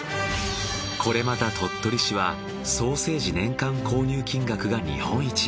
これまた鳥取市はソーセージ年間購入金額が日本一。